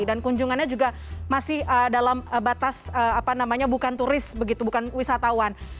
dan kunjungannya juga masih dalam batas bukan turis begitu bukan wisatawan